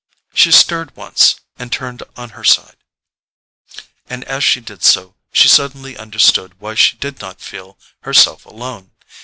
She stirred once, and turned on her side, and as she did so, she suddenly understood why she did not feel herself alone.